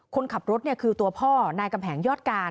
คนขับรถคือตัวพ่อนายกำแหงยอดการ